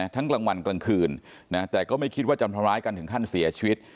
กลางวันกลางคืนแต่ก็ไม่คิดว่าจะทำร้ายกันถึงขั้นเสียชีวิต